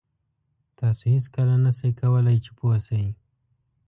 تاسو هېڅکله نه شئ کولای چې پوه شئ.